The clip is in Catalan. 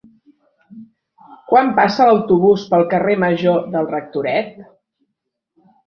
Quan passa l'autobús pel carrer Major del Rectoret?